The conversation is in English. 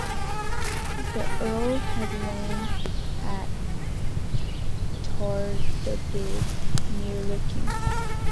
The Earl had land at Tardebigge, near Lickey.